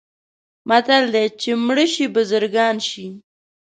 متل دی: چې مړه شي بزرګان شي.